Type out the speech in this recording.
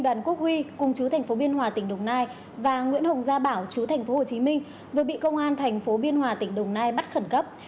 đoàn quốc huy cùng chú thành phố biên hòa tỉnh đồng nai và nguyễn hồng gia bảo chú thành phố hồ chí minh vừa bị công an thành phố biên hòa tỉnh đồng nai bắt khẩn cấp